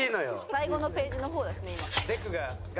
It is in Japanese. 「最後のページの方だしね今」